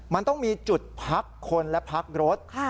มันต้องมีจุดพักคนและพักรถ